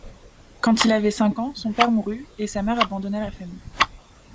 Quand il avait cinq ans, son père mourut, et sa mère abandonna la famille.